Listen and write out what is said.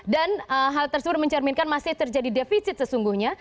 dan hal tersebut mencerminkan masih terjadi defisit sesungguhnya